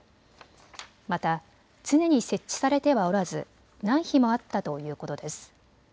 また常に設置されてはおらずない日もあったということです。